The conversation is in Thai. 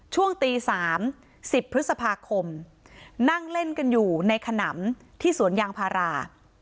ช่วงตี๓๑๐พฤษภาคมนั่งเล่นกันอยู่ในขนำที่สวนยางพารา